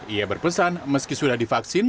ia berpesan meski sudah divaksin